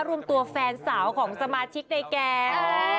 รวมตัวแฟนสาวของสมาชิกในแก๊ง